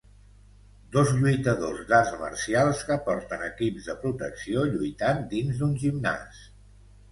Dos lluitadors d'arts marcials que porten equips de protecció lluitant dins d'un gimnàs.